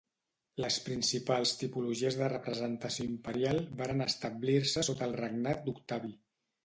Les principals tipologies de representació imperial varen establir-se sota el regnat d’Octavi.